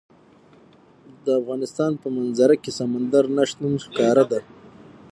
د افغانستان په منظره کې سمندر نه شتون ښکاره ده.